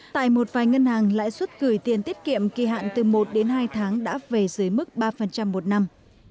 tại một vài ngân hàng lãi suất gửi tiền tiết kiệm kỳ hạn từ một đến hai tháng đã về dưới mức ba một năm